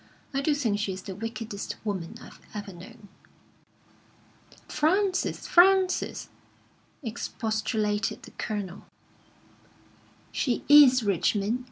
I do think she is the wickedest woman I've ever known." "Frances, Frances!" expostulated the Colonel. "She is, Richmond.